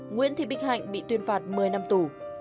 nguyễn thị bích hạnh bị tuyên phạt một mươi năm tù